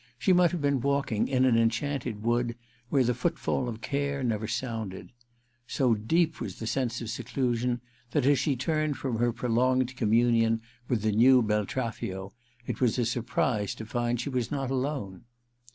She might have been walking in an enchanted wood where the footfall of care never sounded. So deep was the sense of seclusion that, as she turned from her prolonged com munion with the new Bdtraffio, it was a surprise to find that she was not alone.